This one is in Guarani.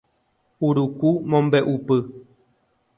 Uruku mombe'upy